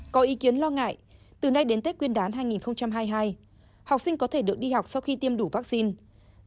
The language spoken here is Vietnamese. có ý kiến lo ngại từ nay đến tết nguyên đán hai nghìn hai mươi hai học sinh có thể được đi học sau khi tiêm đủ vaccine